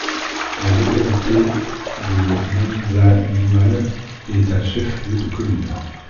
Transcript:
La localité de Manzanouan est un chef-lieu de commune.